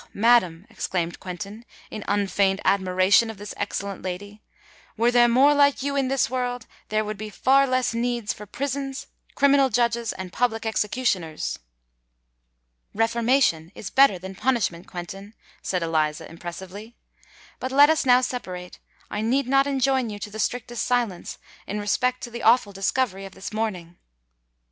madam," exclaimed Quentin, in unfeigned admiration of this excellent lady; "were there more like you in this world, there would be far less need for prisons, criminal judges, and public executioners!" "Reformation is better than punishment, Quentin," said Eliza, impressively. "But let us now separate. I need not enjoin you to the strictest silence in respect to the awful discovery of this morning."